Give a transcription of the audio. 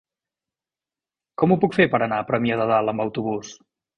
Com ho puc fer per anar a Premià de Dalt amb autobús?